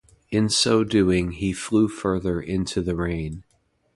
In so doing, he flew further into the rain.